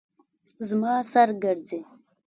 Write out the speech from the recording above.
زما سر ګرځي